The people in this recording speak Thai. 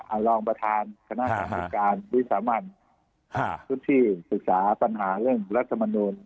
อ่ารองประธานคณะศักดิ์การวิสามารถฮ่าที่ศึกษาปัญหาเรื่องรัฐมนุษย์